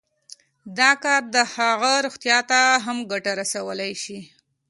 دا کار د هغې روغتيا ته هم ګټه رسولی شي